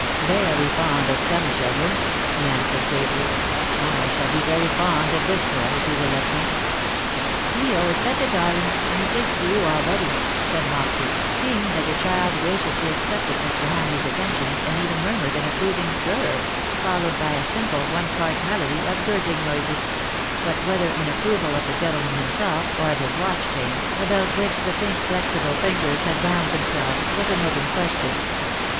'' Very fond of some children/^ he answered gravely. ^' I shall be very fond of this boy, if he will let me.^^ ^' Leo is such a darling — and he takes to you already/^ said Mopsy, seeing that the child gra ciously accepted Mr. Hamleigh's attentions, and even murmured an approving ^' gur'"* — followed by a simple one part melody of gurgling noises — but whether in approval of the gentlemen himself or of his watch chain, about which the pink flexible fingers had wound themselves, was an open question.